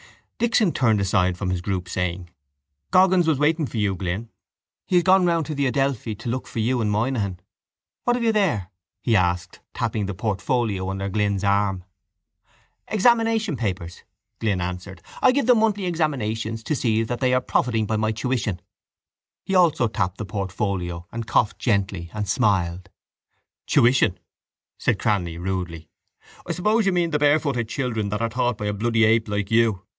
Dixon turned aside from his group, saying: —Goggins was waiting for you, Glynn. He has gone round to the Adelphi to look for you and Moynihan. What have you there? he asked, tapping the portfolio under Glynn's arm. —Examination papers, Glynn answered. I give them monthly examinations to see that they are profiting by my tuition. He also tapped the portfolio and coughed gently and smiled. —Tuition! said Cranly rudely. I suppose you mean the barefooted children that are taught by a bloody ape like you.